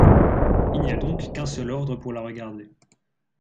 Il n'y a donc qu'un seul ordre pour la regarder.